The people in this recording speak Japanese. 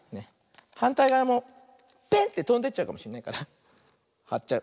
はんたいがわもペンってとんでっちゃうかもしれないからはっちゃう。